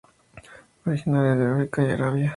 Originario de África y Arabia.